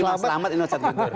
ini mas selamat ini ustadz guntur